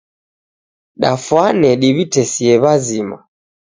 Dafwane diwitesie wazima.